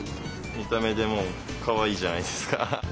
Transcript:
見た目でもうかわいいじゃないですか。